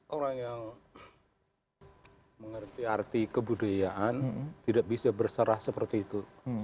orang yang mengerti arti kebudayaan tidak bisa berserah seperti itu